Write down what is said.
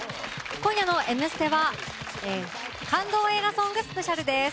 今夜の「Ｍステ」は感動映画ソングスペシャルです。